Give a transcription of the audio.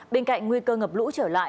bên cạnh nguy cơ ngập lũ trở lại